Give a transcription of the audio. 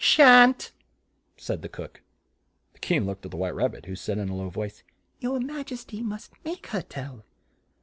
"Shan't," said the cook. The King looked at the White Rab bit, who said in a low voice, "Your ma jes ty must make her tell."